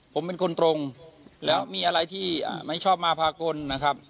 ผมเป็นคนตรงแล้วมีอะไรที่ไม่ชอบมาพากลนะครับ